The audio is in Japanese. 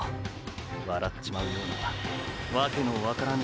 笑っちまうような訳の分からねェ